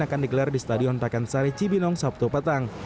akan digelar di stadion pakansari cibinong sabtu petang